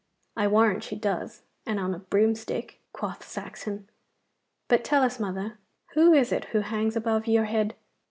'I warrant she does, and on a broomstick,' quoth Saxon; 'but tell us, mother, who is it who hangs above your head?